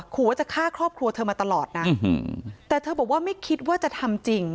ขอว่าจะฆ่าครอบครัวเธอมาตลอดนะแต่เธอบอกว่าไม่คิดว่าจะทำจริง